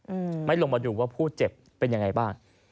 อืมไม่ลงมาดูว่าผู้เจ็บเป็นยังไงบ้าง